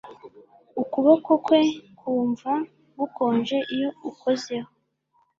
Ukuboko kwe kumva gukonje iyo ukozeho